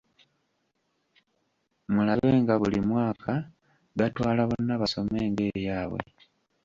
Mulabe nga buli maka gatwala `Bonna Basome' ng'eyaabwe.